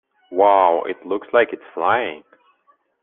Wow! It looks like it is flying!